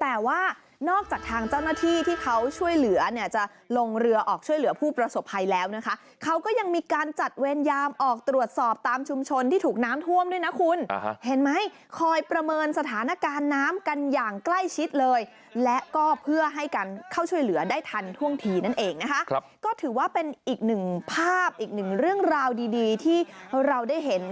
แต่ว่านอกจากทางเจ้าหน้าที่ที่เขาช่วยเหลือเนี่ยจะลงเรือออกช่วยเหลือผู้ประสบภัยแล้วนะคะเขาก็ยังมีการจัดเวรยามออกตรวจสอบตามชุมชนที่ถูกน้ำท่วมด้วยนะคุณเห็นไหมคอยประเมินสถานการณ์น้ำกันอย่างใกล้ชิดเลยและก็เพื่อให้การเข้าช่วยเหลือได้ทันท่วงทีนั่นเองนะคะก็ถือว่าเป็นอีกหนึ่งภาพอีกหนึ่งเรื่องราวดีดีที่เราได้เห็น